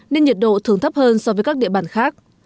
nên nhiệt độ thường thấp hơn so với các địa bàn khác